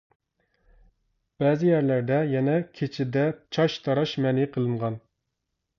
بەزى يەرلەردە يەنە كېچىدە چاچ تاراش مەنئى قىلىنغان.